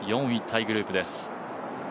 ４位タイグループです。